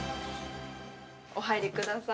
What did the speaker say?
◆お入りください。